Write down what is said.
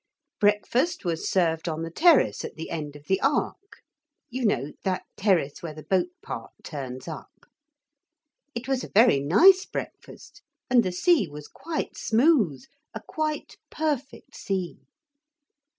Breakfast was served on the terrace at the end of the ark you know that terrace where the boat part turns up. It was a very nice breakfast, and the sea was quite smooth a quite perfect sea.